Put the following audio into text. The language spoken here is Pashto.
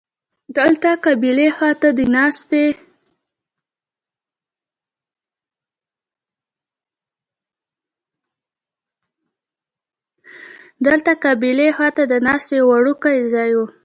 دلته قبلې خوا ته د ناستې یو وړوکی ځای و.